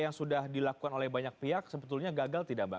yang sudah dilakukan oleh banyak pihak sebetulnya gagal tidak mbak